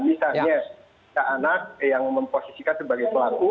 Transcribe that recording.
misalnya anak yang memposisikan sebagai pelaku